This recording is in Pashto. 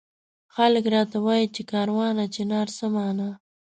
خلک راته وایي چي کاروانه چنار څه مانا؟